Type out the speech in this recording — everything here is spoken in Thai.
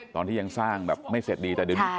ตอนที่ยังสร้างแบบไม่เสร็จดีแต่เดี๋ยวนี้